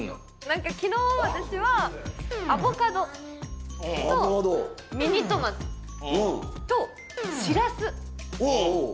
何か昨日私はアボカドとうんミニトマトとしらすうん